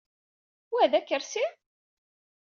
Wa d akersi?